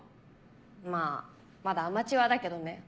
まあまだアマチュアだけどね。